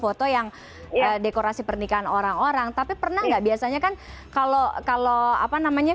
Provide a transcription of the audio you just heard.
foto yang dekorasi pernikahan orang orang tapi pernah nggak biasanya kan kalau kalau apa namanya